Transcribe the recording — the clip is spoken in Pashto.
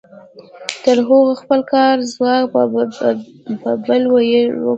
تر څو هغه خپل کاري ځواک په بل وپلوري